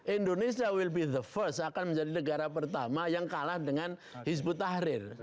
indonesia akan menjadi negara pertama yang kalah dengan hizbut tahrir